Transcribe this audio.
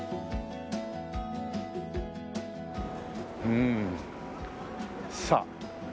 うん。さあ。